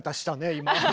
今。